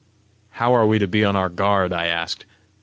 "How are we to be on our guard?" I asked.